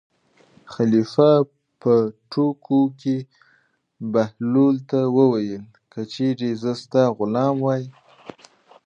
خلیفه په ټوکو کې بهلول ته وویل: که چېرې زه ستا غلام وای.